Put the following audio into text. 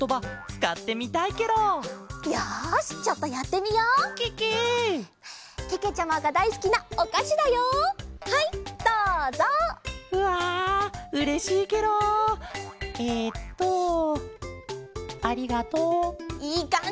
いいかんじ！